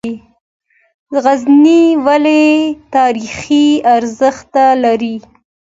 غزني ولې تاریخي ارزښت لري؟